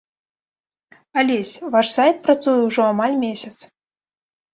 Алесь, ваш сайт працуе ўжо амаль месяц.